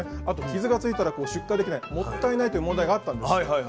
あと傷がついたら出荷できないもったいないという問題があったんです。